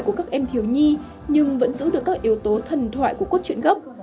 của các em thiếu nhi nhưng vẫn giữ được các yếu tố thần thoại của cốt truyện gốc